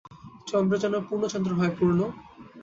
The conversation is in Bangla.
চন্দ্র যেন পূর্ণচন্দ্র হয়– পূর্ণ।